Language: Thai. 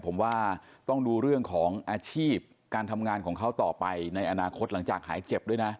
ผมว่าต้องดูเรื่องของอาชีพการทำงานของเขาต่อไปในอนาคตหลังจากหายเจ็บด้วยนะ